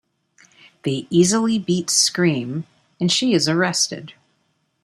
They easily beat Scream and she is arrested.